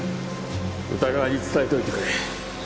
宇田川に伝えておいてくれ。